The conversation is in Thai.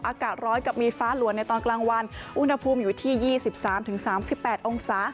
อากาศร้อยกับมีฟ้าหลวนในตอนกลางวันอุณหภูมิอยู่ที่ยี่สิบสามถึงสามสิบแปดองศา